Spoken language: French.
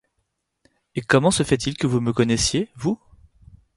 Et comment se fait-il que vous me connaissiez, vous ?